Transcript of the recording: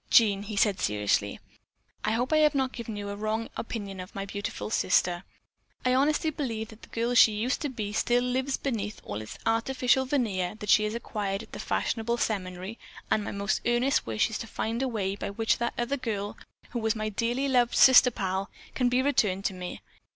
"Jean," he said seriously, "I hope I have not given you a wrong opinion of my beautiful sister. I honestly believe that the girl she used to be still lives beneath all this artificial veneer that she has acquired at the fashionable seminary and my most earnest wish is to find a way by which that other girl, who was my dearly loved sister pal, can be returned to me.